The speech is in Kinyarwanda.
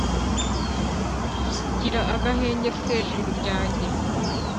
Gira agahenge se Juru ryanjye